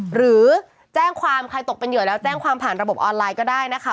หรือแจ้งความใครตกเป็นเหยื่อแล้วแจ้งความผ่านระบบออนไลน์ก็ได้นะคะ